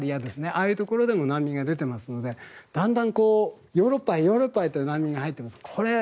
ああいうところでも難民が出ていますのでだんだんヨーロッパへ、ヨーロッパへと難民が入っています。